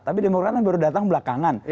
tapi demokrat kan baru datang belakangan